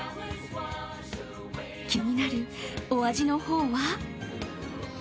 気になるお味のほうは。